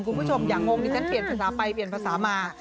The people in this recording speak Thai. คุณผู้ชมอย่างงงดิฉันเปลี่ยนภาษาไปเปลี่ยนภาษามา